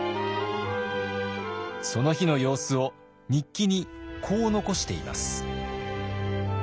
その日の様子を日記にこう残しています。